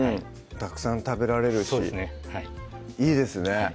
たくさん食べられるしそうですねはいいいですね